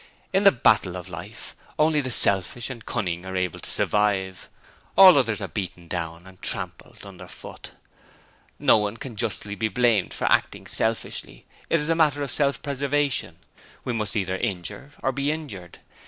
In the 'Battle of Life' only the selfish and cunning are able to survive: all others are beaten down and trampled under foot. No one can justly be blamed for acting selfishly it is a matter of self preservation we must either injure or be injured.